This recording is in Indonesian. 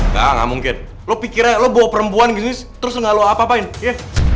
gak gak mungkin lo pikirnya lo bawa perempuan gini terus gak lo apapain ya